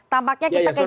tampaknya kita kegila